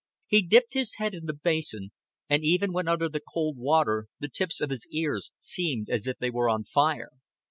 He dipped his head in the basin, and even when under the cold water the tips of his ears seemed as if they were on fire.